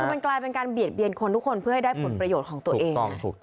คือมันกลายเป็นการเบียดเบียนคนทุกคนเพื่อให้ได้ผลประโยชน์ของตัวเอง